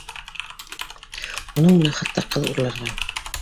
Уның менән хатта ҡыҙ урларға